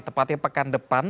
tepatnya pekan depan